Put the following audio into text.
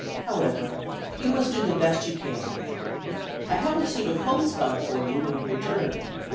However, you must do the best you can. I have a suit of homespun for you whenever you return.